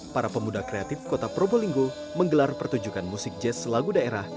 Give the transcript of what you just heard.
para pemuda kreatif kota probolinggo menggelar pertunjukan musik jazz lagu daerah